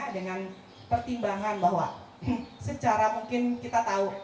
dengan pertimbangan bahwa secara mungkin kita tahu